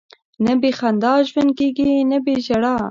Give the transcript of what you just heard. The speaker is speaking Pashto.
نه بې خندا ژوند کېږي، نه بې ژړا.